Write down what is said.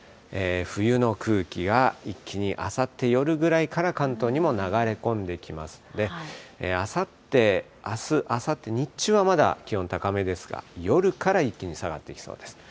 冬の空気が一気にあさって夜ぐらいから、関東にも流れ込んできますので、あさって、あす、あさって、日中はまだ気温高めですが、夜から一気に下がっていきそうです。